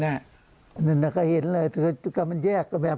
มันก็เห็นเลยมันแยกก็แบบ